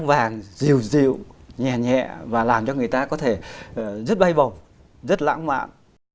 mùa thu vàng dịu dịu nhẹ nhẹ và làm cho người ta có thể rất bay bồng rất lãng mạn